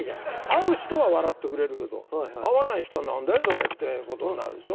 合う人は笑ってくれるけど合わない人は「何だよそれ」ってことになるでしょ？